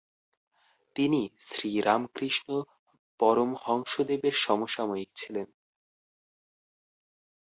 তিনি শ্রীরামকৃষ্ণ পরমহংসদেবের সমসাময়িক ছিলেন।